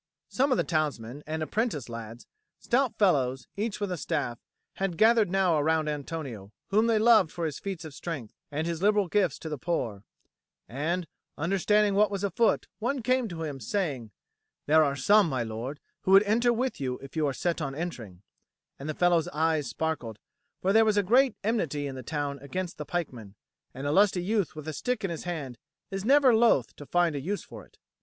Some of the townsmen and apprentice lads, stout fellows, each with a staff, had gathered now around Antonio, whom they loved for his feats of strength and his liberal gifts to the poor, and, understanding what was afoot, one came to him, saying: "There are some, my lord, who would enter with you if you are set on entering," and the fellow's eyes sparkled; for there was a great enmity in the town against the pikemen, and a lusty youth with a stick in his hand is never loth to find a use for it.